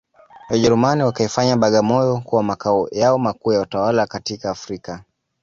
Wajerumani wakaifanya Bagamoyo kuwa makao yao makuu ya utawala katika Afrika